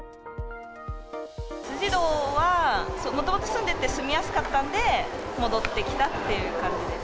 辻堂は、もともと住んでて、住みやすかったんで戻ってきたっていう感じです。